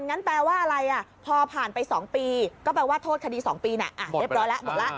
งั้นแปลว่าอะไรพอผ่านไป๒ปีก็แปลว่าโทษคดี๒ปีหมดแล้ว